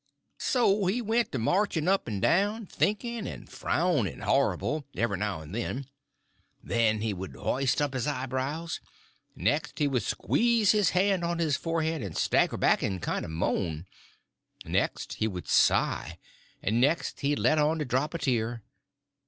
So he went to marching up and down, thinking, and frowning horrible every now and then; then he would hoist up his eyebrows; next he would squeeze his hand on his forehead and stagger back and kind of moan; next he would sigh, and next he'd let on to drop a tear.